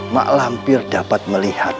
mak lampir dapat melihat